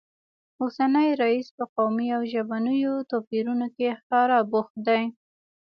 اوسنی رییس په قومي او ژبنیو توپیرونو کې ښکاره بوخت دی